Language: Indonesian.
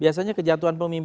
biasanya kejatuhan pemborosan